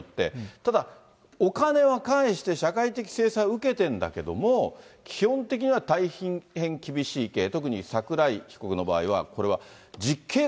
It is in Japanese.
ただ、お金は返して、社会的制裁は受けてるんだけども、基本的には大変厳しい、特に桜井被告の場合は、そうですね。